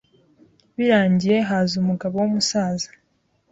Birangiye haza umugabo w’umusaza